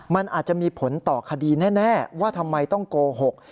มันอาจจะมีผลต่อคดีแน่ว่าทำไมต้องโกหก